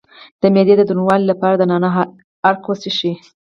د معدې د دروندوالي لپاره د نعناع عرق وڅښئ